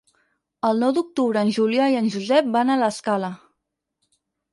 El nou d'octubre en Julià i en Josep van a l'Escala.